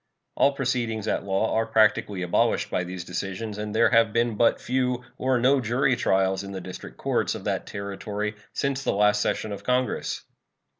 All proceedings at law are practically abolished by these decisions, and there have been but few or no jury trials in the district courts of that Territory since the last session of Congress.